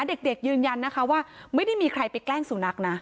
เด็กยืนยันนะคะว่าไม่ได้มีใครไปแกล้งสุนัขนะ